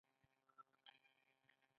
د زورخانې لوبه لرغونې ده.